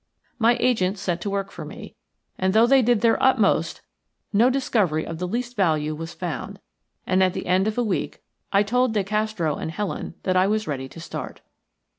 My agents set to work for me, but though they did their utmost no discovery of the least value was found, and at the end of a week I told De Castro and Helen that I was ready to start.